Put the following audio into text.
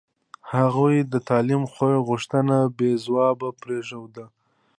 هغوی د تعلیم غوښتنه بې ځوابه پرېښوده.